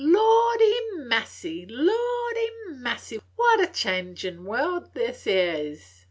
"Lordy massy, lordy massy, what a changin' world this 'ere is!